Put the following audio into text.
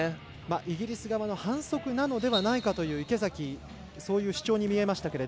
イギリス側の反則なのではないかという池崎の主張に見えました。